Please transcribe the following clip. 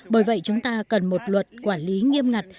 bởi vậy chúng ta cần một luật quản lý nghiêm ngặt